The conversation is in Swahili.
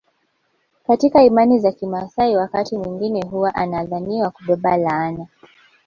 Katika imani za kimaasai wakati mwingine huwa anadhaniwa kubeba laana